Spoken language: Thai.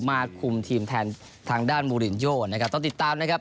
คุมทีมแทนทางด้านมูลินโยนะครับต้องติดตามนะครับ